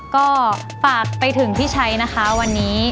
ก็ฝากไปถึงพี่ชัยนะคะวันนี้